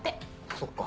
そっか。